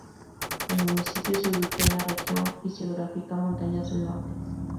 El municipio se ubica en la región fisiográfica Montañas del Norte.